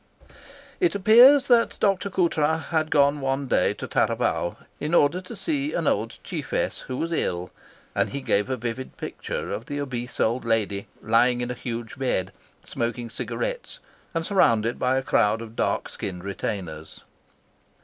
It appears that Dr. Coutras had gone one day to Taravao in order to see an old chiefess who was ill, and he gave a vivid picture of the obese old lady, lying in a huge bed, smoking cigarettes, and surrounded by a crowd of dark skinned retainers.